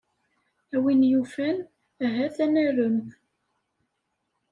A win yufan, ahat, ad narem.